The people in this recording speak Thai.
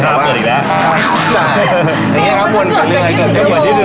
แบบมันก็เกือบจาก๒๔ชั่วโมง